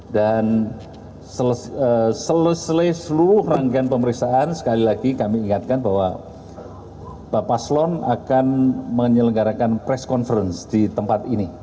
dan selesai seluruh rangkaian pemeriksaan sekali lagi kami ingatkan bahwa bapak slon akan menyelenggarakan press conference di tempat ini